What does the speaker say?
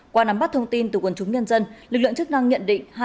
qua nắm bắt thông tin từ quần chúng nhân dân lực lượng chức năng nhận định